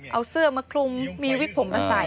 เอาเสื้อมาคลุมมีวิกผมมาใส่